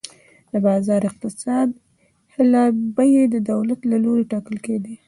د بازار اقتصاد خلاف بیې د دولت له لوري ټاکل کېدې.